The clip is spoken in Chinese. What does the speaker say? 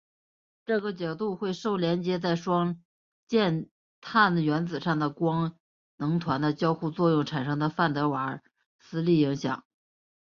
这个角度会受连接在双键碳原子上的官能团的交互作用产生的范德瓦耳斯力影响。